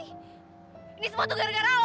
ini semua tuh gara gara lo